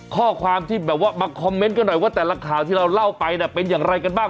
ข้อความที่แบบว่ามาคอมเมนต์กันหน่อยว่าแต่ละข่าวที่เราเล่าไปเป็นอย่างไรกันบ้าง